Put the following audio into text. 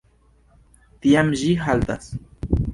Tiam ĝi haltas.